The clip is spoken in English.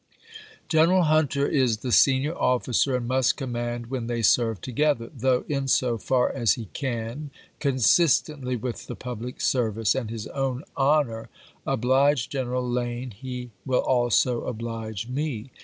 General Hunter is the senior offi cer, and must command when they serve together ; though, in so far as he can, consistently with the public service and his own honor, oblige General Lane he will also oblige me.